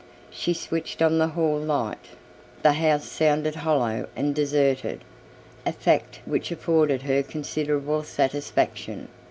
She switched on the hall light. The house sounded hollow and deserted, a fact which afforded her considerable satisfaction.